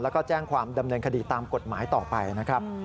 แล้วก็แจ้งความดำเนินคดีตามกฎหมายต่อไปนะครับ